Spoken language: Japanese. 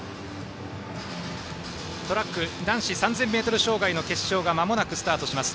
トラック男子３０００ｍ障害がまもなくスタートします。